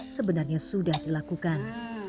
sebenarnya sudah dilakukan